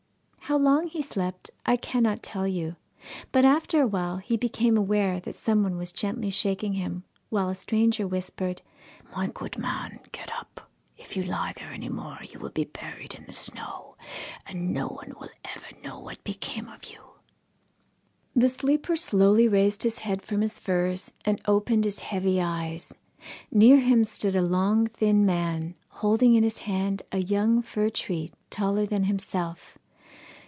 How long he slept, I cannot tell you, but after awhile he became aware that some one was gently shaking him, while a stranger whispered, 'My good man, get up! If you lie there any more, you will be buried in the snow, and no one will ever know what became of you.' The sleeper slowly raised his head from his furs, and opened his heavy eyes. Near him stood a long thin man, holding in his hand a young fir tree taller than himself.